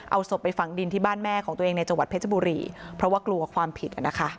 เอาศพไปฝังดินที่บ้านแม่ของตัวเองในจังหวัดเพชรบุรีเพราะว่ากลัวความผิดอ่ะนะคะ